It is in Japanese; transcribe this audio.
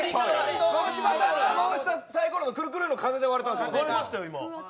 川島さんが回したサイコロのくるくるで割れたんです。